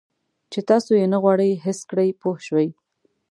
چې تاسو یې نه غواړئ حس کړئ پوه شوې!.